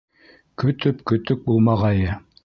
Көтөп көтөк булмағайы...